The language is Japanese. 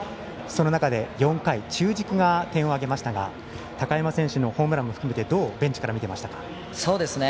その中で４回中軸が点を挙げましたが高山選手のホームランも含めてどうベンチから見ていましたか？